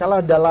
ya kalau dalam